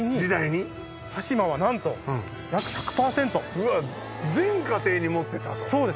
うわっ全家庭に持ってたと。